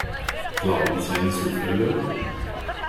Glauben Sie an Zufälle?